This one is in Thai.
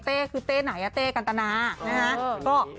เต๊คือเต๊ไหนเต๊กันตนา